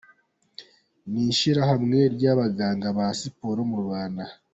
n’Ishyirahamwe ry’Abaganga ba Siporo mu Rwanda ”.